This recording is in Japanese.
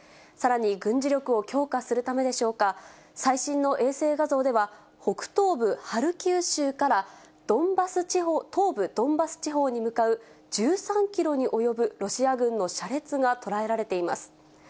さらに軍事力を強化するためでしょうか、最新の衛星画像では、北東部ハルキウ州から東部ドンバス地方に向かう、え１３キロに及ぶロシア軍の車列が捉えられています。